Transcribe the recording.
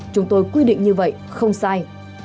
chúng tôi quy định như vậy không sai